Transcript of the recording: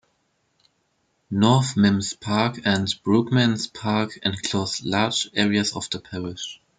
North Mimms Park and Brookmans Park enclose large areas of the parish.